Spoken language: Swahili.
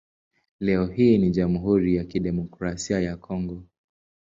Leo hii ni Jamhuri ya Kidemokrasia ya Kongo.